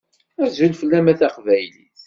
Azul fell-am a taqbaylit.